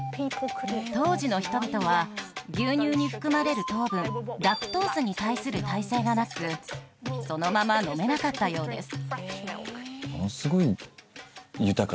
当時の人々は牛乳に含まれる糖分ラクトースに対する耐性がなくそのまま飲めなかったようです